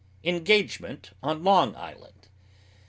ENGAGEMENT ON LONG ISLAND.